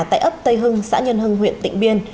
tại ấp tây hưng xã nhân hưng huyện tịnh biên